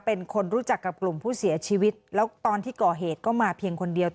เป็นคนรู้จักกับกลุ่มผู้เสียชีวิตแล้วตอนที่ก่อเหตุก็มาเพียงคนเดียว